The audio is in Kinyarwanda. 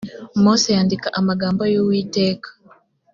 mose yandika amagambo y’uwiteka